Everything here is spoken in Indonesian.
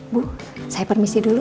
bu saya permisi dulu